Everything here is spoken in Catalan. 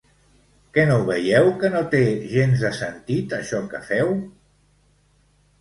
Que no ho veieu, que no té gens de sentit això que feu?